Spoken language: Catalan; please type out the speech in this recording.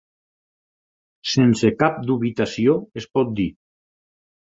Sense cap dubitació es pot dir